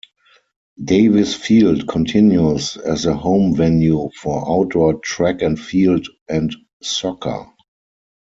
Davis Field continues as the home venue for outdoor track and field and soccer.